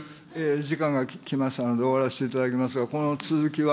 時間が来ましたので、終わらせていただきますが、この続きは、